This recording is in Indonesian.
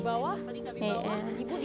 masih dicari emang